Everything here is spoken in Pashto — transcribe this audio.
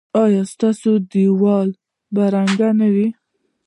ایا ستاسو دیوال به رنګ نه وي؟